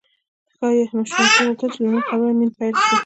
ښايي حشمتي غوښتل چې لومړی خبرې مينه پيل کړي.